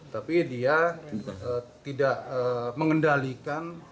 tapi dia tidak mengendalikan